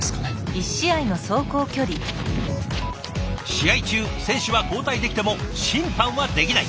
試合中選手は交代できても審判はできない。